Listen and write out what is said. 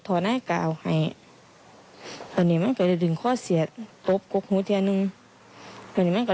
ธรรมดาผมก็อยากให้มีเรื่องกันอีกก่อนแต่คนตายอยู่